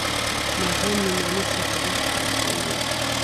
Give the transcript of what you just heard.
ماښام نعماني صاحب په غوږ کښې راته وويل.